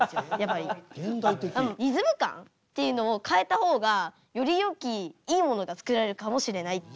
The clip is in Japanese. リズム感っていうのを変えた方がよりよきいいものが作られるかもしれないっていう。